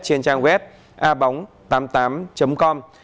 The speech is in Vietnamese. trên trang web abong tám mươi tám com